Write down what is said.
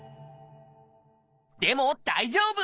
でも大丈夫！